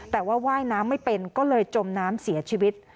แต่ว่าว่ายน้ำไม่เป็นก็เลยจมน้ำเสียชีวิต